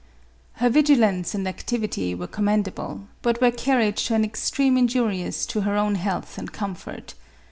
Her vigilance and activity were commendable, but were carried to an extreme injurious to her own health and comfort.